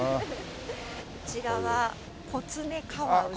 こちらはコツメカワウソです。